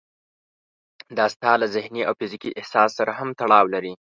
دا ستاسې له ذهني او فزيکي احساس سره هم تړاو لري.